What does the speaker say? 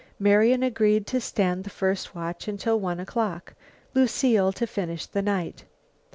Marian agreed to stand the first watch until one o'clock, Lucile to finish the night.